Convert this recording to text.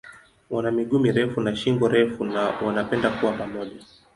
Wana miguu mirefu na shingo refu na wanapenda kuwa pamoja.